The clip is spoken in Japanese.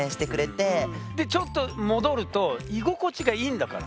でちょっと戻ると居心地がいいんだから。